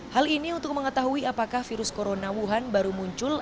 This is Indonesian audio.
hal ini untuk mengetahui apakah virus corona wuhan baru muncul